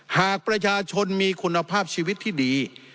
หากประชาชนมีคุณภาพชีวิตที่ดี